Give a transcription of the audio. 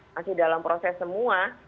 masih dalam proses semua